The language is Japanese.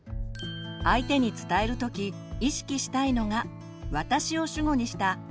相手に伝える時意識したいのが「私」を主語にした「アイメッセージ」。